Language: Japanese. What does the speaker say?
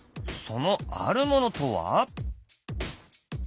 そのあるものとは？